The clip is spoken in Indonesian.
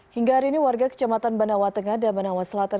hingga hari ini warga kecamatan banawa tengah dan banawa selatan